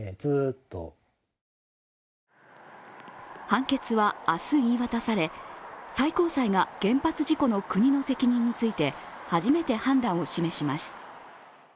判決は明日言い渡され、最高裁が原発事故の国の責任について初めて判断を示します。